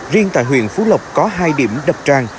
riêng tại huyện phú lộc có hai điểm đập tràn